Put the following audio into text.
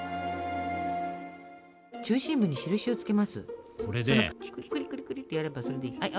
中心部に印をつけます。